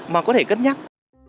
mà có thể cất nhắc